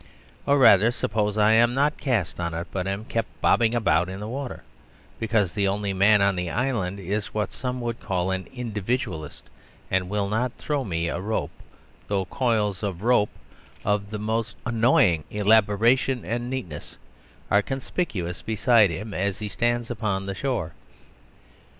Or rather, suppose I am not cast on it, but am kept bobbing about in the water, because the only man on the island is what some call an Individualist, and will not throw me a rope; though coils of rope of the most annoying elaboration and neatness are conspicuous beside him as he stands upon the shore.